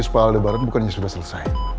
kisah pak al di barat bukannya sudah selesai